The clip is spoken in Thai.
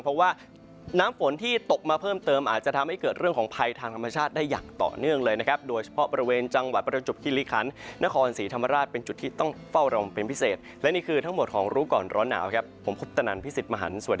เพราะว่าน้ำฝนที่ตกมาเพิ่มเติม